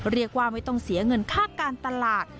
เรียกว่าไม่ต้องเสียเงินค่าการตลาด